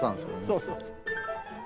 そうそうそう。